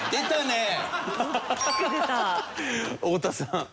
太田さん。